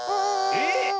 えっ